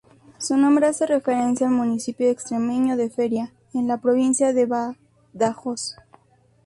Su nombre hace referencia al municipio extremeño de Feria, en la provincia de Badajoz.